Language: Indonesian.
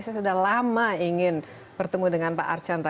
saya sudah lama ingin bertemu dengan pak archandra